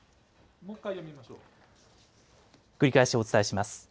繰り返しお伝えします。